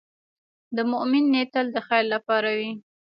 د مؤمن نیت تل د خیر لپاره وي.